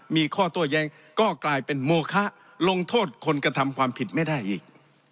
มีข้อโต้แย้งก็กลายเป็นโมคะลงโทษคนกระทำความผิดไม่ได้อีก